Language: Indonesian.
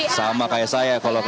sama kayak saya kalau kayak gitu ya